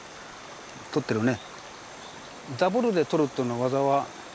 捕ってるね。